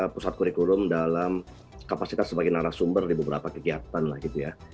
pusat kurikulum dalam kapasitas sebagai narasumber di beberapa kegiatan lah gitu ya